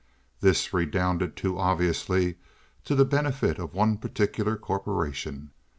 This redounded too obviously to the benefit of one particular corporation.